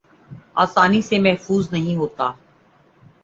آسانی سے محظوظ نہیں ہوتا